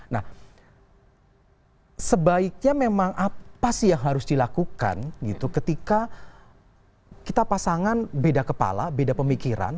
nah sebaiknya memang apa sih yang harus dilakukan gitu ketika kita pasangan beda kepala beda pemikiran